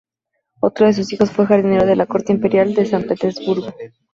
Otro de sus hijos fue jardinero de la Corte imperial de San Petersburgo.